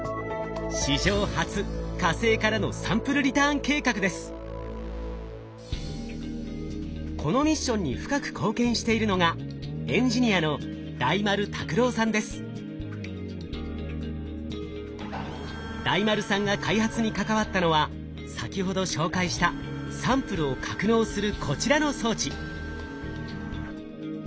史上初火星からのこのミッションに深く貢献しているのが大丸さんが開発に関わったのは先ほど紹介したサンプルを格納するこちらの装置。